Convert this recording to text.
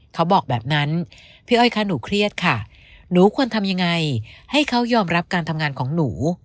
เขาบอกแบบนั้นพี่อ้อยคะหนูเครียดค่ะหนูควรทำยังไงให้เขายอมรับการทำงานของหนู